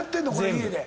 家で。